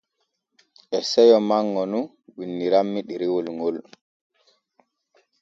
E seyo manŋo nun winnirammi ɗerewol ŋol.